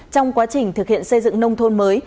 trong quá trình thực hiện xây dựng nông thôn mới